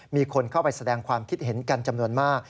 มีคนเข้าไปแสดงความคิดเห็นกันจำนวนมาก